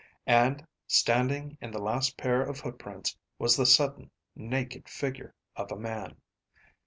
And standing in the last pair of footprints was the sudden, naked figure of a man.